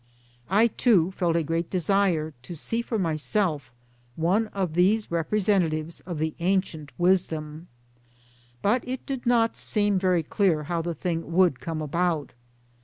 * I too felt a great desire to see for myself one of these representatives of the ancient wisdom. But it did not seem very clear how the thing would come about.